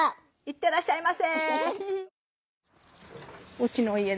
行ってらっしゃいませ。